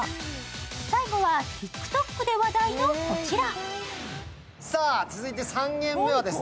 最後はＴｉｋＴｏｋで話題のこちら。